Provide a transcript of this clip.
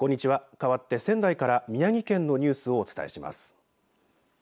かわって仙台から宮城県のニュースをお伝えします。